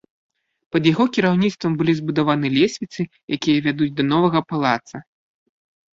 Пад яго кіраўніцтвам былі збудаваны лесвіцы, якія вядуць да новага палаца.